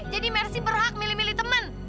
jadi merci berhak milih milih temen